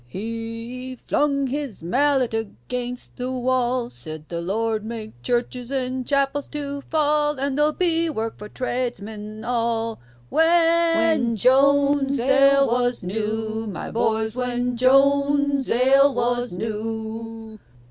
'He flung his mallet against the wall, Said, "The Lord make churches and chapels to fall, And there'll be work for tradesmen all!" When Joan's ale was new, My boys, When Joan's ale was new.